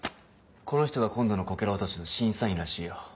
この人が今度のこけら落としの審査員らしいよ。